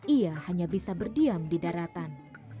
ia hanya bisa berdiam di daratan